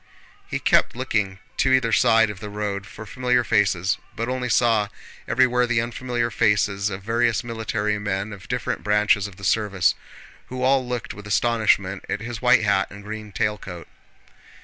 He kept looking to either side of the road for familiar faces, but only saw everywhere the unfamiliar faces of various military men of different branches of the service, who all looked with astonishment at his white hat and green tail coat.